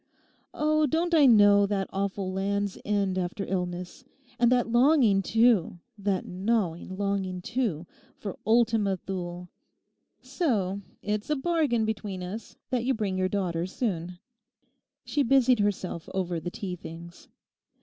Oh, don't I know that awful Land's End after illness; and that longing, too, that gnawing longing, too, for Ultima Thule. So, it's a bargain between us that you bring your daughter soon.' She busied herself over the tea things.